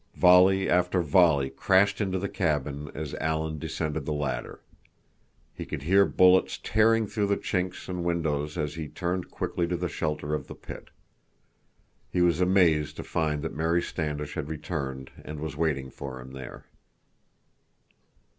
Volley after volley crashed into the cabin as Alan descended the ladder. He could hear bullets tearing through the chinks and windows as he turned quickly to the shelter of the pit. He was amazed to find that Mary Standish had returned and was waiting for him there.